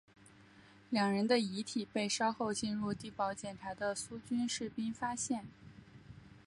两人的遗体被稍后进入地堡检查的苏军士兵发现。